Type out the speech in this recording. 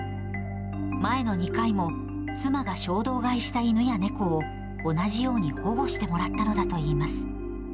前の２回も、妻が衝動買いした犬や猫を、同じように保護してもらったのだといいます。